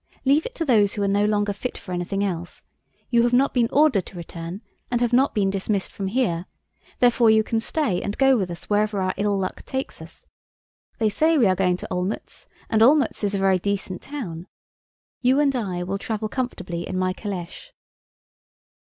Leave it to those who are no longer fit for anything else.... You have not been ordered to return and have not been dismissed from here; therefore, you can stay and go with us wherever our ill luck takes us. They say we are going to Olmütz, and Olmütz is a very decent town. You and I will travel comfortably in my calèche."